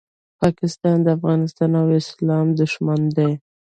پاکستان د افغانستان او اسلام دوښمن دی